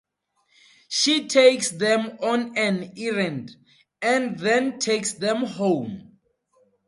She takes them on an errand, and then takes them home.